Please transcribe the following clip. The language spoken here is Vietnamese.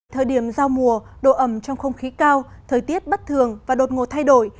thời điểm giao mùa độ ẩm trong không khí cao thời tiết bất thường và đột ngột thay đổi